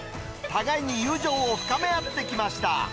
互いに友情を深め合ってきました。